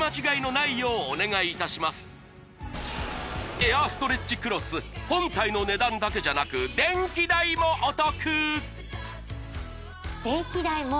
エアーストレッチクロス本体の値段だけじゃなく電気代もお得